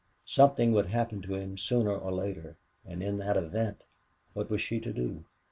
Something would happen to him sooner or later, and in that event what was she to do?